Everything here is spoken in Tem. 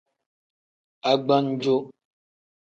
Agbanjo.